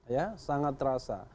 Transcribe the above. ya sangat terasa